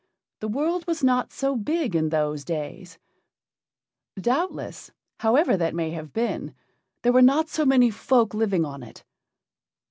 the world was not so big in those days; doubtless, however that may have been, there were not so many folk living on it.